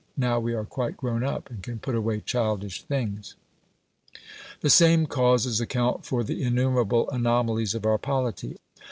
Now we are quite grown up, and can put away childish things. The same causes account for the innumerable anomalies of our polity.